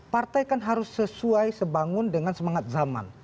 partai kan harus sesuai sebangun dengan semangat zaman